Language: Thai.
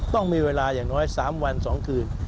ต้องมีเวลาอย่างน้อย๓วัน๒คืน